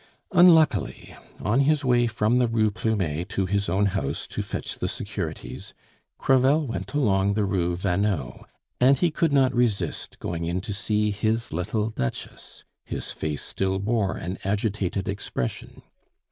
Unluckily, on his way from the Rue Plumet to his own house, to fetch the securities, Crevel went along the Rue Vanneau, and he could not resist going in to see his little Duchess. His face still bore an agitated expression.